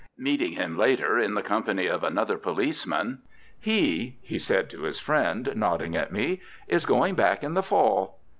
Meeting him later in the company of another policeman, "He," he said to his friend, nodding at me, "is going back in the fall."